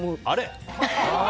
あれ？